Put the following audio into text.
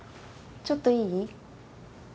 ちょっといい？